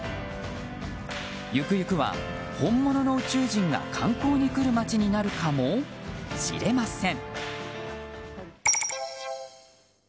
ゆくゆくは本物の宇宙人が観光に来る町になるかも？しれません。